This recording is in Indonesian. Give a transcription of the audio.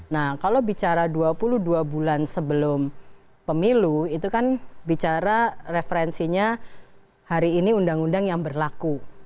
nah kalau bicara dua puluh dua bulan sebelum pemilu itu kan bicara referensinya hari ini undang undang yang berlaku